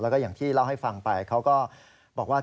แล้วก็อย่างที่เล่าให้ฟังไปเขาก็บอกว่า